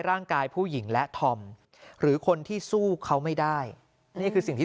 ผู้หญิงและธอมหรือคนที่สู้เขาไม่ได้นี่คือสิ่งที่